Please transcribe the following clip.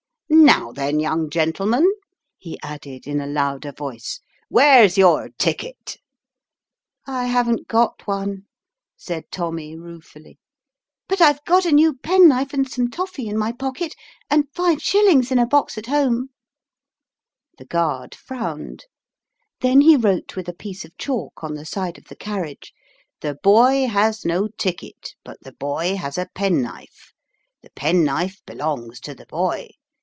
Now then, young gentleman," he added in a louder voice, "where's your ticket ?" "I haven't got one," said Tommy ruefully, Tom is requested "to join a train in motion!' 15 "but I've got a new penknife and some toffey in my pocket, and five shillings in a box at home." The guard frowned. Then he wrote with a piece of chalk on the side of the carriage, "The boy has no ticket, but the boy has a penknife. The penknife belongs to the boy.